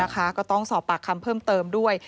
ก็ต้องสอบปากคำเพิ่มเติมด้วย